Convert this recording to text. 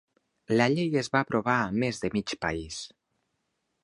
La llei es va aprovar a més de mig país.